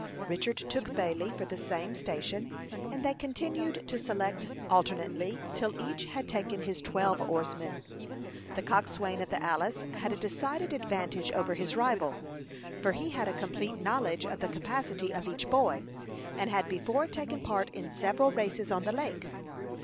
Richard took Bailey for the same station, and they continued to select alternately till each had taken his twelve oarsmen. The coxswain of the Alice had a decided advantage over his rival, for he had a complete knowledge of the capacity of each boy, and had before taken part in several races on the lake.